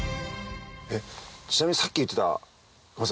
ちなみにさっき言ってた。